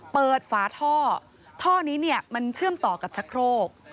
ฝาท่อท่อนี้เนี่ยมันเชื่อมต่อกับชะโครก